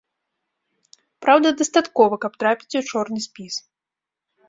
Праўды дастаткова, каб трапіць у чорны спіс!